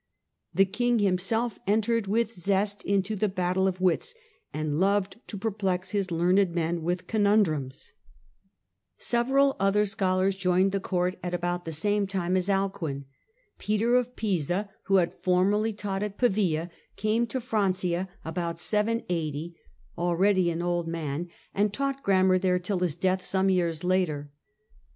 The king himself entered with zest into the battle of wits, and loved to perplex his learned men with con undrums. school ALCUIN AND THE REVIVAL OF LEARNING 195 Several other scholars joined the court at about the same time as Alcuin. Peter of Pisa, who had formerly taught at Pavia, came to Francia about 780, already an old man, and taught grammar there till his death some years later.